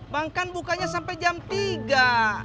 bankan bukanya sampai jam tiga